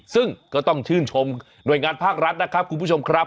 ซึ่งก็ต้องชื่นชมหน่วยงานภาครัฐนะครับคุณผู้ชมครับ